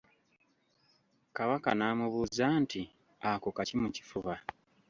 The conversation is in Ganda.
Kabaka n’amubuuza nti ako kaki mu kifuba?